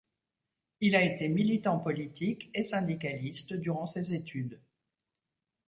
Il a été militant politique et syndicaliste durant ses études.